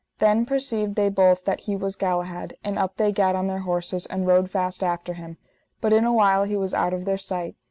Then perceived they both that he was Galahad; and up they gat on their horses, and rode fast after him, but in a while he was out of their sight.